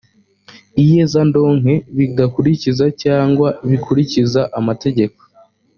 iyezandonke bidakurikiza cyangwa bikurikiza amategeko